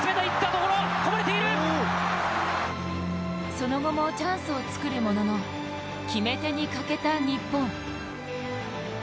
その後もチャンスは作るものの決め手に欠けた日本。